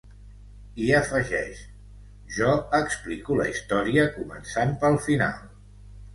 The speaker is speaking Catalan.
I afegeix: Jo explico la història començant pel final.